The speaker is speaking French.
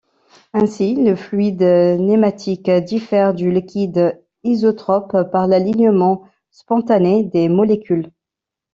Ainsi, le fluide nématique diffère du liquide isotrope par l'alignement spontané des molécules.